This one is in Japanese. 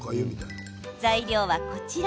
材料はこちら。